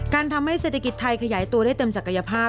ทำให้เศรษฐกิจไทยขยายตัวได้เต็มศักยภาพ